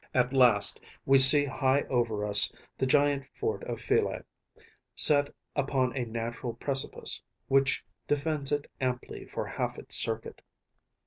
At last we see high over us the giant fort of Phyle‚ÄĒset upon a natural precipice, which defends it amply for half its circuit.